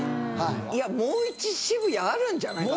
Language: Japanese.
もう１渋谷あるんじゃないかな。